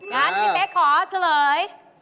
งั้นพี่เป๊กขอเฉลย